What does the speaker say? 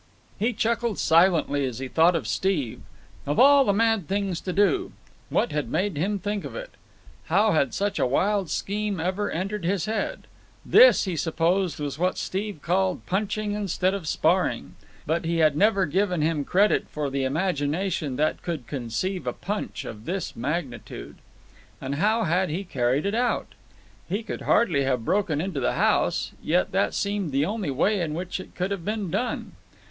He chuckled silently as he thought of Steve. Of all the mad things to do! What had made him think of it? How had such a wild scheme ever entered his head? This, he supposed, was what Steve called punching instead of sparring. But he had never given him credit for the imagination that could conceive a punch of this magnitude. And how had he carried it out? He could hardly have broken into the house. Yet that seemed the only way in which it could have been done.